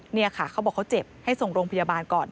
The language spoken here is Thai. นี่ค่ะเขาบอกเขาเจ็บให้ส่งโรงพยาบาลก่อน